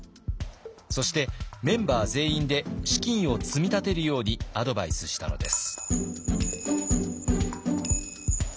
そしてメンバー全員で資金を積み立てるようにアドバイスしたのです。